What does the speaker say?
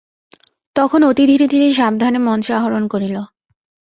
তখন অতি ধীরে ধীরে সাবধানে মঞ্চে আরোহণ করিল।